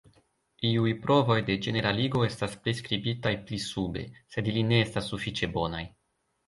Iuj provoj de ĝeneraligo estas priskribitaj pli sube, sed ili ne estas sufiĉe bonaj.